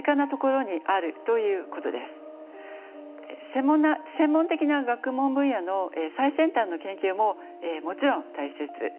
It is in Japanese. それは専門的な学問分野の最先端の研究ももちろん大切です。